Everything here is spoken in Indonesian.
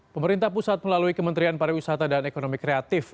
pemerintah pusat melalui kementerian pariwisata dan ekonomi kreatif